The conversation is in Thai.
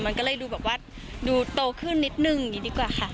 มันก็เลยดูแบบว่าดูโตขึ้นนิดนึงอย่างนี้ดีกว่าค่ะ